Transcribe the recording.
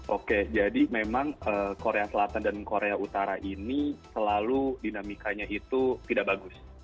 oke jadi memang korea selatan dan korea utara ini selalu dinamikanya itu tidak bagus